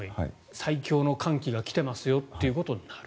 最強の寒気が来てますよということになる。